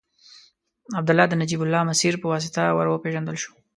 عبدالله د نجیب الله مسیر په واسطه ور وپېژندل شو.